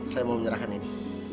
saya mau menyerahkan ini